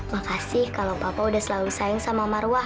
makasih kalau papa udah selalu sayang sama marwah